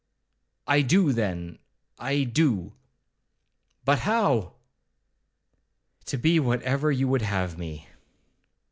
'I do, then, I do.' 'But how?' 'To be whatever you would have me.'